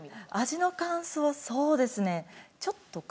味の感想そうですね。